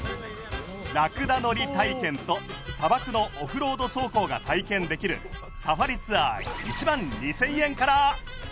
ラクダ乗り体験と砂漠のオフロード走行が体験できるサファリツアー１万２０００円から。